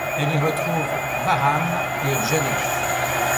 Elle y retrouve Wahram et Genette.